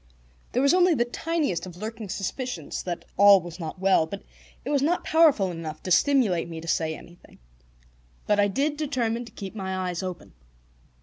There was only the tiniest of lurking suspicions that all was not well, but it was not powerful enough to stimulate me to say anything. But I did determine to keep my eyes open.